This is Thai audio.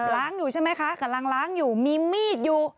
อยู่ใช่ไหมคะกำลังล้างอยู่มีมีดอยู่